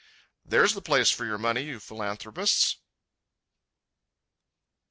There's the place for your money, you philanthropists.